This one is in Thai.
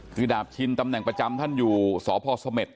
คือดาบชินตำแหน่งประจำท่านอยู่สพเสม็ด